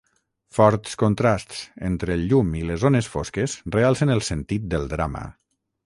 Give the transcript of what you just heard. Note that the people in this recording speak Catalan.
Forts contrasts entre el llum i les zones fosques realcen el sentit del drama.